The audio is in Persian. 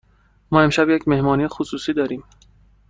ما امشب یک مهمانی خصوصی داریم.